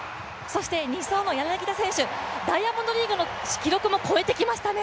２走の柳田選手、ダイヤモンドリーグの記録も超えてきましたね